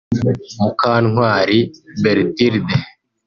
Mukantwari Berthilde